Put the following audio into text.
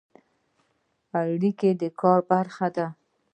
اړیکې د کار برخه ده